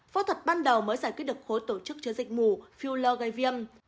phẫu thuật ban đầu mới giải quyết được khối tổ chức chứa dịch mù filler gây viêm